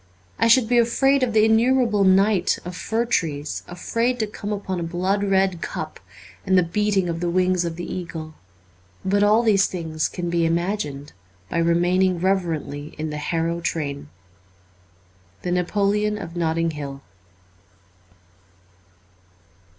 I should be afraid of the innumerable night of fir trees, afraid to come upon a blood red cup and the beating of the wings of the eagle. But all these things can be imagined by remaining reverently in the Harrow train. ' The Napoleon of Notting Hill.'